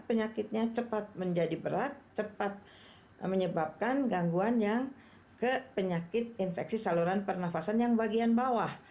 penyakitnya cepat menjadi berat cepat menyebabkan gangguan yang ke penyakit infeksi saluran pernafasan yang bagian bawah